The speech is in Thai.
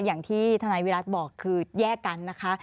อย่างที่ทนายวิรัติบอกคือแยกกันนะคะ